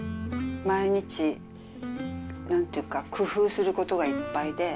毎日、なんていうか、工夫することがいっぱいで。